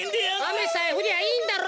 あめさえふりゃいいんだろ。